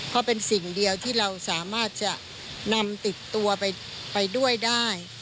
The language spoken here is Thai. เพราะเป็นสิ่งเดียวที่เราสามารถจะนำติดตัวไปด้วยได้